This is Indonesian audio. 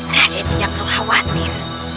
raden tidak perlu khawatir